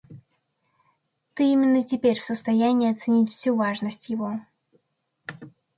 Ты именно теперь в состоянии оценить всю важность его.